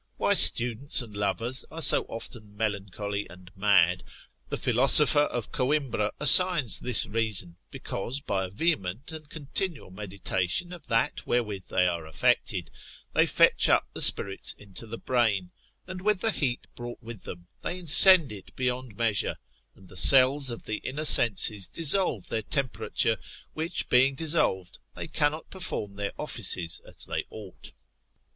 Why students and lovers are so often melancholy and mad, the philosopher of Conimbra assigns this reason, because by a vehement and continual meditation of that wherewith they are affected, they fetch up the spirits into the brain, and with the heat brought with them, they incend it beyond measure: and the cells of the inner senses dissolve their temperature, which being dissolved, they cannot perform their offices as they ought.